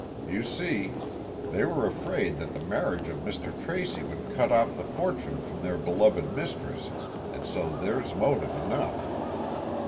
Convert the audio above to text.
You see, they were afraid that the marriage of Mr. Tracy would cut off the fortune from their beloved mistress and so there's motive enough."